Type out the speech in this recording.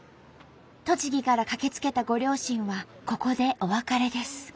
栃木から駆けつけたご両親はここでお別れです。